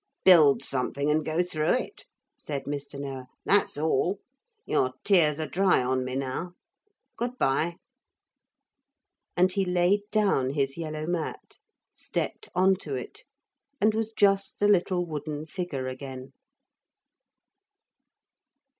'Build something and go through it,' said Mr. Noah. 'That's all. Your tears are dry on me now. Good bye.' And he laid down his yellow mat, stepped on to it and was just a little wooden figure again.